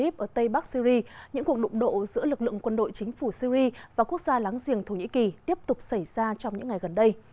bất chấp các thỏa thuận ngừng bắn được triển khai tại tỉnh idlib ở tây bắc syri những cuộc đụng độ giữa lực lượng quân đội chính phủ syri và quốc gia láng giềng thổ nhĩ kỳ tiếp tục xảy ra trong những ngày gần đây